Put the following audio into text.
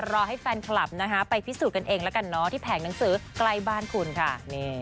รอให้แฟนคลับนะคะไปพิสูจน์กันเองแล้วกันเนาะที่แผงหนังสือใกล้บ้านคุณค่ะ